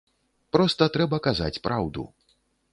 Проста трэба казаць праўду.